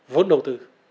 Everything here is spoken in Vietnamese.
vốn đầu tư